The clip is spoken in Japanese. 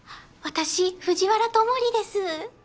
私藤原ともりです。